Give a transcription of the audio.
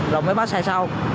rồi mới bắt sai sau